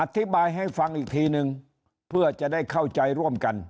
อธิบายให้ฟังอีกทีนึงเพื่อจะได้เข้าใจร่วมกัน